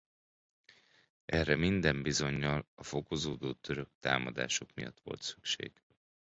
Erre minden bizonnyal a fokozódó török támadások miatt volt szükség.